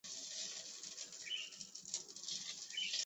后邀请罽宾三藏弗若多罗至长安传授戒律。